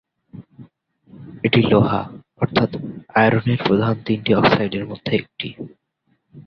এটি লোহা অর্থাৎ আয়রনের প্রধান তিনটি অক্সাইডের মধ্যে একটি।